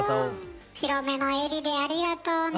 広めの襟でありがとうね。